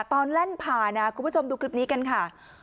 แล่นผ่านะคุณผู้ชมดูคลิปนี้กันค่ะ